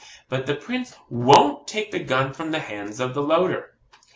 But the Prince WON'T TAKE THE GUN FROM THE HANDS OF THE LOADER.